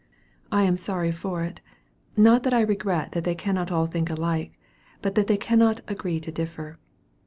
I am sorry for it; not that I regret that they cannot all think alike, but that they cannot "agree to differ."